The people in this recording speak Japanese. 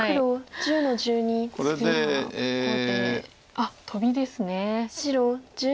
あっトビですね。